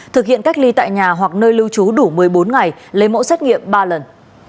thực hiện cách ly tại nhà hoặc nơi lưu trú đủ một mươi bốn ngày lấy mẫu xét nghiệm ba lần